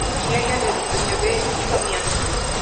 Y ella le respondió: Ve, hija mía.